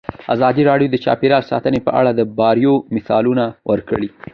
ازادي راډیو د چاپیریال ساتنه په اړه د بریاوو مثالونه ورکړي.